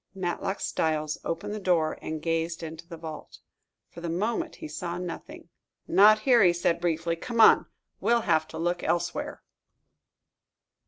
Matlock Styles opened the door and gazed into the vault. For the moment he saw nothing. "Not here," he said briefly. "Come on; we'll have to look elsewhere."